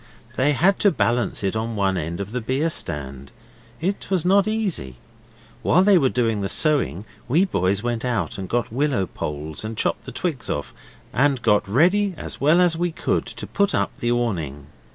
They had to balance it on one end of the beer stand. It was not easy. While they were doing the sewing we boys went out and got willow poles and chopped the twigs off, and got ready as well as we could to put up the awning.